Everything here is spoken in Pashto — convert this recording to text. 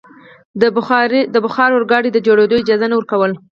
د بخار اورګاډي د جوړېدو اجازه نه ورکوله.